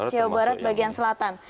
jawa barat bagian selatan